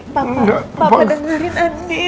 papa dengerin andi